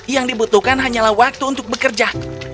yang dibutuhkan hanyalah waktu untuk bekerja